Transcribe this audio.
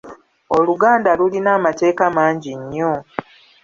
Oluganda lulira amateeka mangi nnyo.